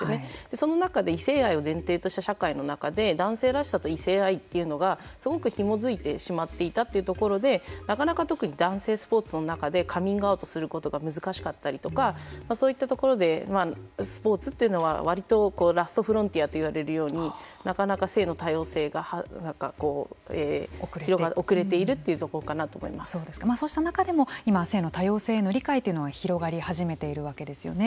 その中で異性愛を前提とした社会の中で男性らしさと異性愛というのがすごくひもづいてしまっていたというところでなかなか特に男性スポーツの中でカミングアウトすることが難しかったりとかそういったところでスポーツというのは割とラストフロンティアと言われるようになかなか性の多様性が遅れているそうした中でも今、性の多様性への理解というのは広がり始めているわけですよね。